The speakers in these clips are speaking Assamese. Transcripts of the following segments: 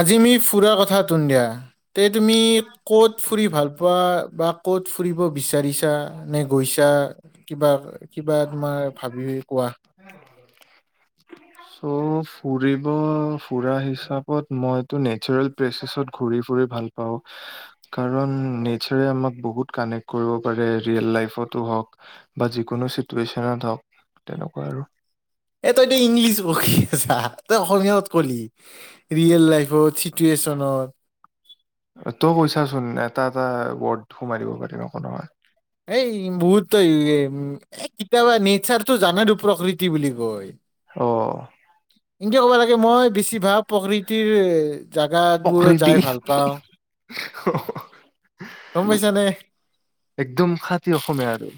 আজি মি ফুৰাৰ কথা দিয়া তে তুমি ক'ত ফুৰি ভালপোৱা বা ক'ত ফুৰিব বিচাৰিছা নে গৈছা কিবা? কিবা তোমাৰ ভাবি কোৱা। চ' ফুৰিব ফুৰা হিচাপত মইটো নেচাৰেল প্লেচাছত ঘুৰি ফুৰি ভাল পাওঁ। পাওঁ। কাৰণ নেচাৰে আমাক বহুত কানেক্ট কৰিব পাৰে ৰিয়েল লাইফতো হওঁক। বা যিকোনো চিটুৱেচনত হওঁক তেনেকুৱা আৰু। এ তইতো ইংলিছ বকি আছা তইতো অসমীয়া ক'ত কলি। ৰিয়েল লাইফৰ চিটুৱুৱেচনত। তই কৈছাচোন এটা এটা ওৱৰ্ড সোমাই দিব পাৰি একো নহয়। এই বহুত তই এই এ কেতিয়াবা নেচাৰটো জানাই প্ৰকৃতি কি বুলি কয়। অ'। এনেকে ক'বা লাগে মই বেছিভাগ প্ৰকৃতিৰ জাগাতবোৰত প্ৰকৃতি যায় ভাল পাওঁ গম পাইছানে? একদম খাতি অসমীয়া আৰু।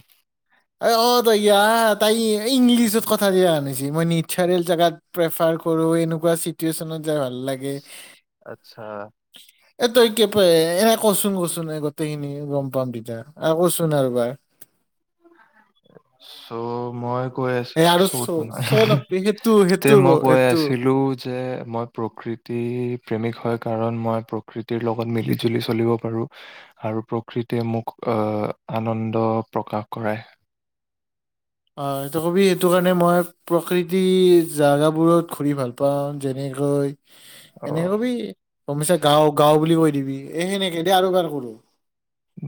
অ', তই ইয়াৰ তাই ইংলিছত কথা গিলাক আনিছি মই নিচাৰেল জেগাত প্ৰেফাৰ কৰো, এনেকুৱা চিটুৱেচনত যায় ভাল লাগে। আচ্ছা। এ তই কি অ এনে কচোন কচোন এই গোটেই খিনি গম পাম তেতিয়া। আ কচোন আৰু এবাৰ চ' মই। কৈ এ আৰু আছো চ' চ' নকবি [unintelligible] সেইটো তে সেইটো মই ক- কৈ সেইটো আছিলো। যে মই প্ৰকৃতি প্ৰেমিক হয়। কাৰণ মই প্ৰকৃতিৰ লগত মিলি জুলি চলিব পাৰো। আৰু প্ৰকৃতিয়ে মোক আহ আনন্দ প্ৰকাশ কৰায়। অ এইটো কবি সেইটো কাৰণে মই, প্ৰকৃতি জোগাবোৰত ঘূৰি ভাল পাওঁ। যেনেকৈ, অ এনেকে কবি তুমিচা গাওঁ গাওঁ বুলি কৈ দিবি এ সেনেকে দে আৰু বাৰ কৰো।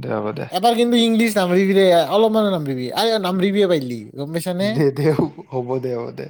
দে হ'ব দে। এবাৰ কিন্তু ইংলিছ নামৰিবি দেই অলপমানো নামৰিবি নামৰিবিয়ে পাৰিলে। গম পাইছনে। দে দে হ'ব দে হ'ব দে।